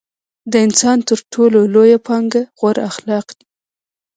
د انسان تر ټولو لويه پانګه غوره اخلاق دي.